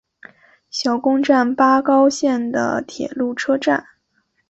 小宫站八高线的铁路车站。